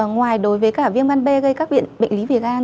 ngoài đối với cả viêm gan b gây các bệnh lý về gan